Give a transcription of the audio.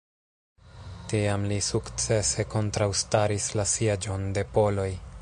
Tiam li sukcese kontraŭstaris la sieĝon de poloj.